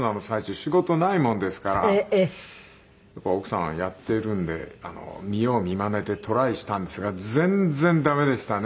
奥さんがやっているんで見よう見まねでトライしたんですが全然駄目でしたね。